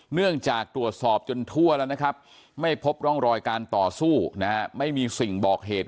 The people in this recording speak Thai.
เนื่องจากตรวจสอบจนทั่วแล้วนะครับไม่พบร่องรอยการต่อสู้ไม่มีสิ่งบอกเหตุ